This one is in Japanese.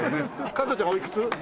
加藤ちゃんおいくつ？